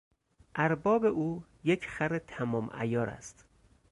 ارباب او یک خر تمام عیار است!